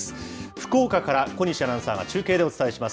福岡から小西アナウンサーが中継でお伝えします。